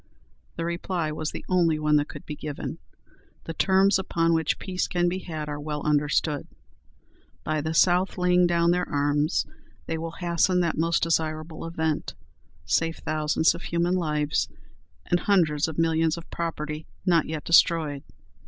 The reply was the only one that could be given. "The terms upon which peace can be had are well understood. By the South laying down their arms they will hasten that most desirable event, save thousands of human lives, and hundreds of millions of property not yet destroyed."